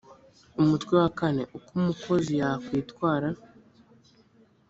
umutwe wa kane uko umukozi yakitwara